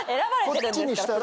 こっちにしたら。